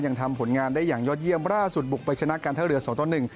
ยังทำผลงานได้อย่างยอดเยี่ยมร่าสุดบุกไปชนะกันเท่าเรือ๒ต้น๑